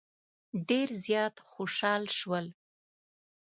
ډېر زیات خوشال شول.